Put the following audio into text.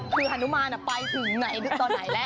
คือฮานุมานไปถึงไหนตอนไหนแล้ว